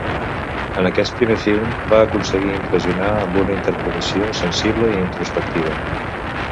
En aquest primer film, va aconseguir impressionar amb una interpretació sensible i introspectiva.